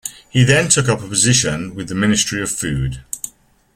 He then took up a position with the Ministry of Food.